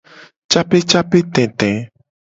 Capecapetete.